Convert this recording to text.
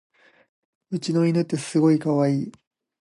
うちの犬ってすごいかわいい